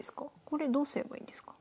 これどうすればいいんですか？